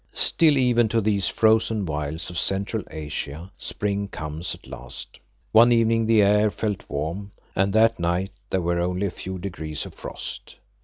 Still even to these frozen wilds of Central Asia spring comes at last. One evening the air felt warm, and that night there were only a few degrees of frost.